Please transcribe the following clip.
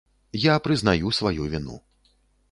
Я прызнаю сваю віну.